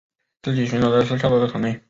自己寻找的是跳脱的可能